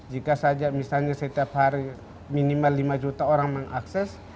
jika saja misalnya setiap hari minimal lima juta orang mengakses